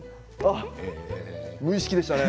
無意識でしたね。